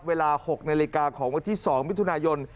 เวลา๐๖๐๐นของวันที่๒มิถุนายน